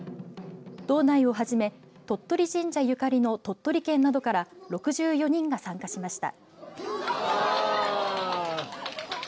道内をはじめ鳥取神社ゆかりの鳥取県などから６４人が参加しました。